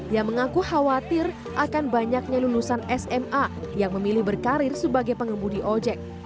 ia mengaku khawatir akan banyaknya lulusan sma yang memilih berkarir sebagai pengemudi ojek